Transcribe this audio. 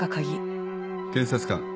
検察官。